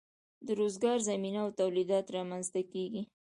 د روزګار زمینه او تولیدات رامینځ ته کیږي.